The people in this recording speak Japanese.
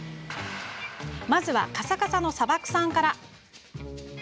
まずはカサカサの砂漠さんから。